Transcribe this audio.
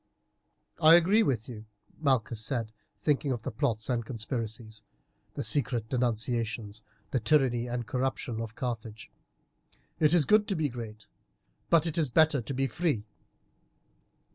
"I agree with you," Malchus said, thinking of the plots and conspiracies, the secret denunciations, the tyranny and corruption of Carthage, "it is good to be great, but it is better to be free.